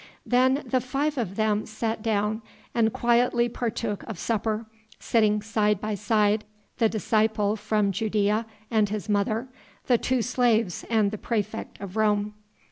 Then the five of them sat down and quietly partook of supper, sitting side by side, the disciple from Judæa and his mother, the two slaves and the praefect of Rome.